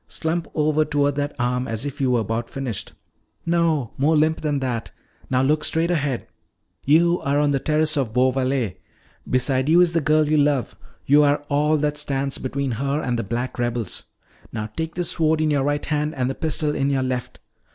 Slump over toward that arm as if you were about finished. No, more limp than that. Now look straight ahead. You are on the terrace of Beauvallet. Beside you is the girl you love. You are all that stands between her and the black rebels. Now take this sword in your right hand and the pistol in your left.